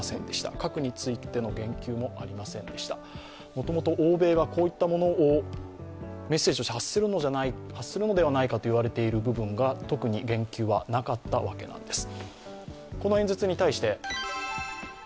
もともと欧米は、こういったものをメッセージとして発するのではないかといわれている部分が特に言及はなかったわけなんです。